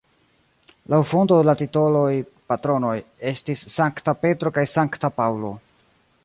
Laŭ fonto la titoloj (patronoj) estis Sankta Petro kaj Sankta Paŭlo.